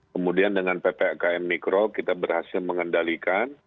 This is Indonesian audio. kemudian dengan ppkm mikro kita berhasil mengendalikan